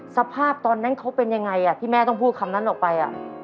สภาพตอนนั้นเขาเป็นยังไงที่แม่ต้องพูดคำนั้นออกไป